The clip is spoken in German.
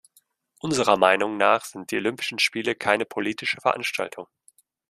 Unserer Meinung nach sind die Olympischen Spiele keine politische Veranstaltung.